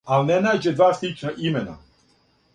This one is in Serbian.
Ал' не нађе два слична имена,